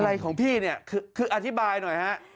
ของพี่เนี่ยคืออธิบายหน่อยฮะ